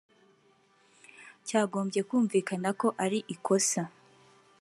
cyagombye kumvikana ko ari ikosa